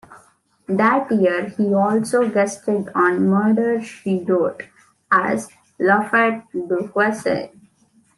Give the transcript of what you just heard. That year he also guested on "Murder, She Wrote" as "Lafayette Duquesne".